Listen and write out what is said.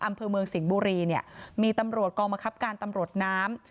อำคือเมืองสิงห์บุรีเนี้ยมีตำลวดก้องมะครับการตำลวดน้ำ